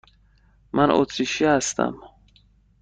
من اتریشی هستم.